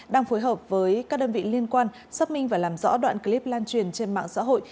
đang phối hợp với các đơn vị liên quan xác minh và làm rõ đoạn clip lan truyền trên mạng xã hội